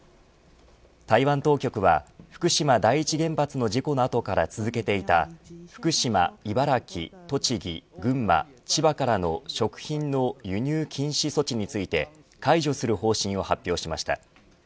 台湾当局は福島第一原発の事故の後から続けていた福島、茨城栃木、群馬千葉からの食品の輸入禁止措置について解除する方針を発表しました。